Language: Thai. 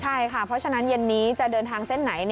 ใช่ค่ะเพราะฉะนั้นเย็นนี้จะเดินทางเส้นไหน